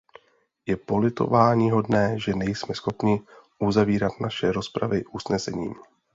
Je politováníhodné, že nejsme schopni uzavírat naše rozpravy usnesením.